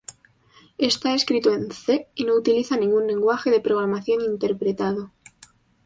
Está escrito en C y no utiliza ningún lenguaje de programación interpretado.